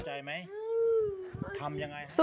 สื่อสารอะไรคือเรารู้สึกตัว